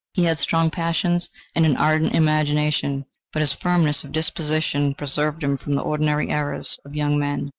He had strong passions and an ardent imagination, but his firmness of disposition preserved him from the ordinary errors of young men.